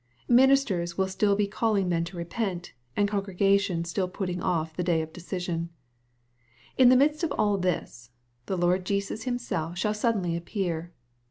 Ministers will still be calling men to repent, and congregations still putting off the day of decision. — In the midst of all this, the Lord Jesus Himself shall suddenly appear.